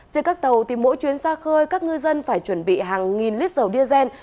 trên các tàu mỗi chuyến xa khơi các ngư dân phải chuẩn bị hàng nghìn lít dầu diesel